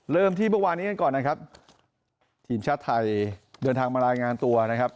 เริ่มที่เมื่อวานนี้กันก่อนนะครับทีมชาติไทยเดินทางมารายงานตัวนะครับ